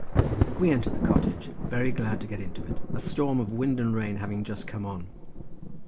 We entered the cottage, very glad to get into it, a storm of wind and rain having just come on.